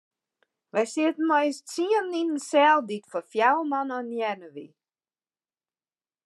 Wy sieten mei ús tsienen yn in sel dy't foar fjouwer man ornearre wie.